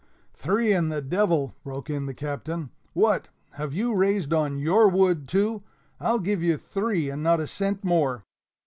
"Three and the d l!" broke in the Captain. "What, have you raised on your wood, too? I'll give you three, and not a cent more."